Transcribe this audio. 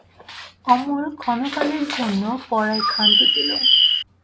অমল ক্ষণকালের জন্য পড়ায় ক্ষান্ত দিল।